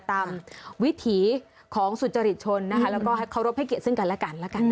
วิถีของสุจริตชนนะคะแล้วก็ให้เคารพให้เกียรติซึ่งกันและกันแล้วกัน